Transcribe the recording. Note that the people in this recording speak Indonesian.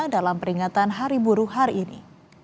dalam peringatan hari buruh hari ini